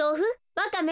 ワカメ？